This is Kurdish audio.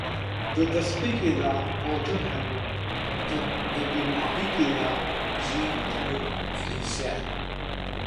Di despêkê de gotin hebû di dûmahîkê de jî tenê klîşe.